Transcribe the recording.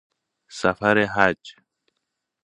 سفر حج